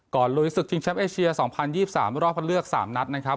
ก่อนโรยีศึกทิมแชมป์เอเชียสองพันยี่สิบสามรอบเลือกสามนัดนะครับ